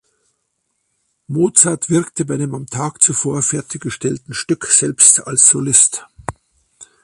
Mozart wirkte bei dem am Tag zuvor fertiggestellten Stück selbst als Solist.